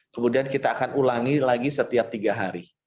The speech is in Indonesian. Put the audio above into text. kemudian kita akan ulangi lagi setiap tiga hari